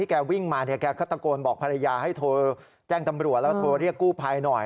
แกวิ่งมาเนี่ยแกก็ตะโกนบอกภรรยาให้โทรแจ้งตำรวจแล้วโทรเรียกกู้ภัยหน่อย